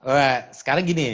wah sekarang gini